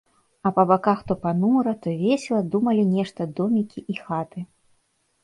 А па баках то панура, то весела думалі нешта домікі і хаты.